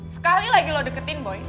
sekali lagi lo deketin boy